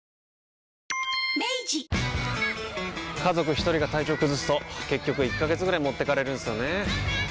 一人が体調崩すと結局１ヶ月ぐらい持ってかれるんすよねー。